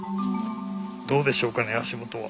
どうでしょうかね足元は。